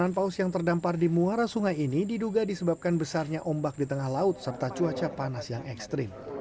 hujan paus yang terdampar di muara sungai ini diduga disebabkan besarnya ombak di tengah laut serta cuaca panas yang ekstrim